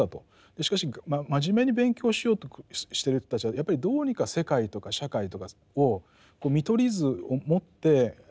しかし真面目に勉強しようとしてる人たちはやっぱりどうにか世界とか社会とかを見取り図をもって理解したいという気持ちがあった。